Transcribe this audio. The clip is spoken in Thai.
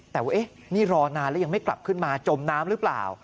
แต่ว่านี่รอนานแล้วยังไม่กลับขึ้นมาจมน้ำหรือเปล่า